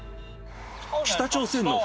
北朝鮮の船？